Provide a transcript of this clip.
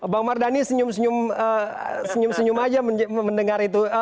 bang mardhani senyum senyum senyum aja mendengar itu